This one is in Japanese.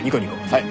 はい。